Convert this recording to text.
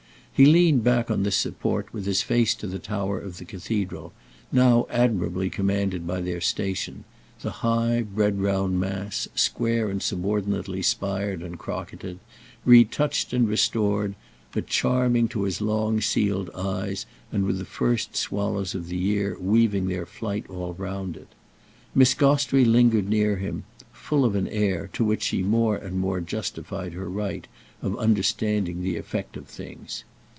He leaned back on this support with his face to the tower of the cathedral, now admirably commanded by their station, the high red brown mass, square and subordinately spired and crocketed, retouched and restored, but charming to his long sealed eyes and with the first swallows of the year weaving their flight all round it. Miss Gostrey lingered near him, full of an air, to which she more and more justified her right, of understanding the effect of things.